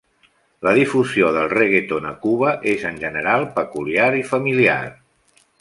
La difusió del reggaeton a Cuba és en general peculiar i familiar.